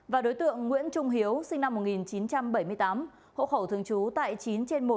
và đối tượng nguyễn trung hiếu sinh năm một nghìn chín trăm bảy mươi tám hộ khẩu thường trú tại chín trên một